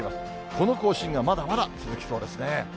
この更新がまだまだ続きそうですね。